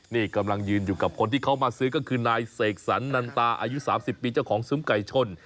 นี่กำลังยืนอยู่กับคนที่เขามาซื้อก็คือนายเสกสรรนันตาอายุ๓๐ปีเจ้าของซุ้มไก่ชน